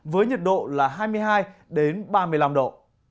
với nhiệt độ là hai mươi hai ba mươi năm độ